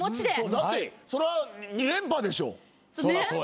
だってそら２連覇でしょ。